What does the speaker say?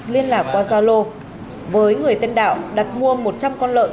liên lạc qua giao lô với người tên đạo đặt mua một trăm linh con lợn